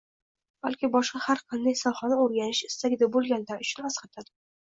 balki boshqa har qanday sohani o’rganish istagida bo’lganlar uchun asqotadi